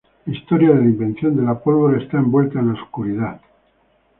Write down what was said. La historia de la invención de la pólvora está envuelta en la oscuridad.